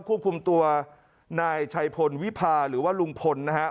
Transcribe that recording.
ควบคุมตัวนายชัยพลวิพาหรือว่าลุงพลนะฮะ